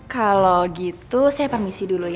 kalau gitu saya permisi dulu ya